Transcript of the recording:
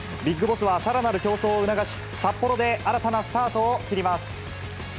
ビッグボスはさらなる競争を促し、札幌で新たなスタートを切ります。